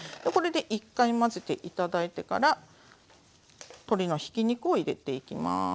これで１回混ぜて頂いてから鶏のひき肉を入れていきます。